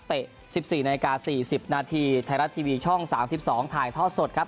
๑๔นาฬิกา๔๐นาทีไทยรัฐทีวีช่อง๓๒ถ่ายทอดสดครับ